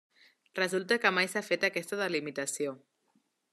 Resulta que mai s'ha fet aquesta delimitació.